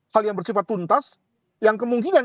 hal yang bersifat tuntas yang kemungkinan